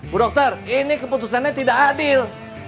bu dokter ini keputusannya tidak adil